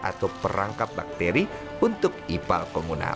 atau perangkap bakteri untuk ipal komunal